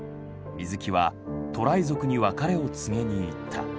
水木はトライ族に別れを告げに行った。